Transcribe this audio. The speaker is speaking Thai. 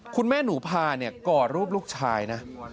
คุณแม่หนูพากอดรูปลูกชายนะ